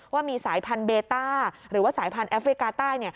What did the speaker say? ว่ามีสายพันธุเบต้าหรือว่าสายพันธุแอฟริกาใต้